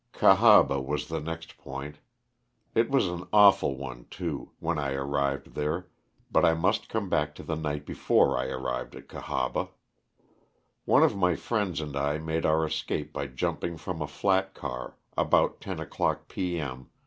Cahaba was the next point. It was an awful one, too, when I arrived there, but I must come back to the night before I arrived at Cahaba . One of my friends and I made our escape by jumping from a flat car, about ten o'clock p. m.